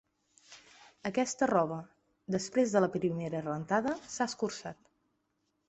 Aquesta roba, després de la primera rentada s'ha escurçat.